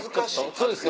そうですね。